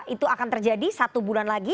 itu akan terjadi satu bulan lagi